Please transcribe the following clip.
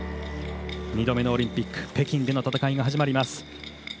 ２度目のオリンピック北京での戦いが始まります。